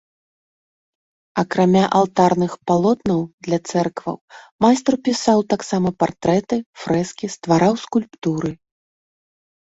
Акрамя алтарных палотнаў для цэркваў, майстар пісаў таксама партрэты, фрэскі, ствараў скульптуры.